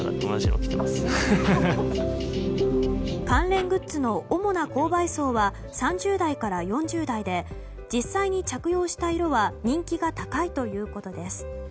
関連グッズの主な購買層は３０代から４０代で実際に着用した色は人気が高いということです。